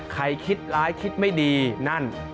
คิดร้ายคิดไม่ดีนั่น